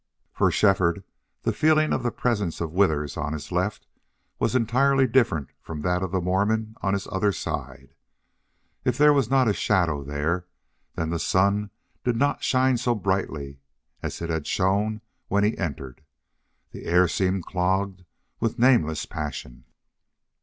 For Shefford the feeling of the presence of Withers on his left was entirely different from that of the Mormon on his other side. If there was not a shadow there, then the sun did not shine so brightly as it had shone when he entered. The air seemed clogged with nameless passion.